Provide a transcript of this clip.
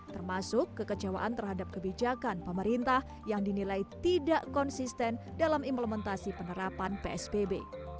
termasuk kekecewaan terhadap kebijakan pemerintah yang dinilai tidak konsisten dalam implementasi penerapan psbb